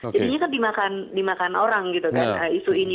jadinya kan dimakan orang gitu kan isu ini